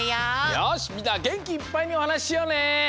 よしみんなげんきいっぱいにおはなししようね！